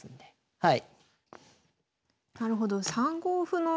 はい。